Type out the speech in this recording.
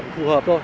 phù hợp thôi